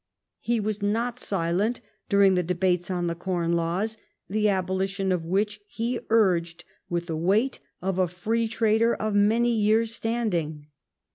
He was not silent during the debates on the Corn Laws, the abolition of which he urged with the weight of a free trader of many years standing.